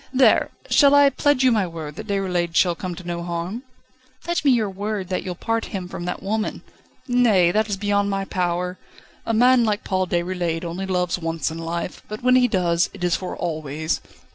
There! shall I pledge you my word that Déroulède shall come to no harm?" "Pledge me your word that you'll part him from that woman." "Nay; that is beyond my power. A man like Paul Déroulède only loves once in life, but when he does, it is for always."